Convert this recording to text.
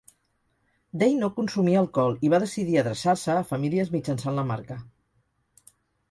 Day no consumia alcohol, i va decidir adreçar-se a famílies mitjançant la marca.